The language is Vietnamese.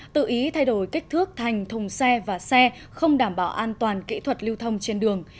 tự ý thay đổi kích thước thành thùng xe và xe không đảm bảo an toàn kỹ thuật lưu thông trên đường